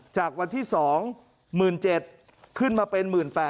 จากวันที่๒๗๐๐ขึ้นมาเป็น๑๘๐๐